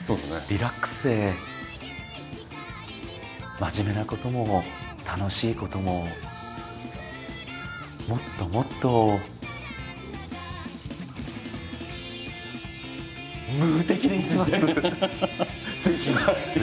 リラックスで真面目なことも楽しいことももっともっと「ムー」的にいきます。